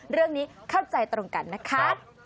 เรื่องนี้เข้าใจตรงกันนะคะ